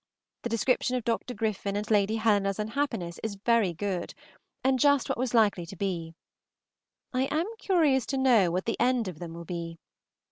The description of Dr. Griffin and Lady Helena's unhappiness is very good, and just what was likely to be. I am curious to know what the end of them will be.